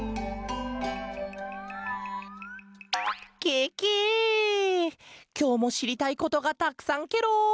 ケケきょうもしりたいことがたくさんケロ。